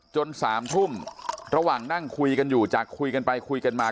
๓ทุ่มระหว่างนั่งคุยกันอยู่จากคุยกันไปคุยกันมา